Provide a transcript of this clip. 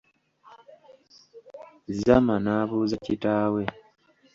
Zama n'abuuza kitaawe.